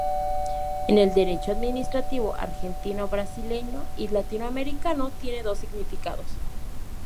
En el derecho administrativo argentino, brasileño y latinoamericano, tiene dos significados.